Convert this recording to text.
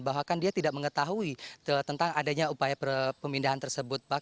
bahkan dia tidak mengetahui tentang adanya upaya pemindahan tersebut